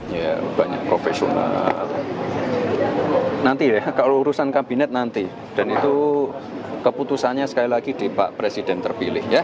ya banyak profesional nanti ya kalau urusan kabinet nanti dan itu keputusannya sekali lagi di pak presiden terpilih ya